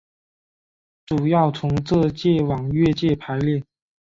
主要从浙界往粤界排列。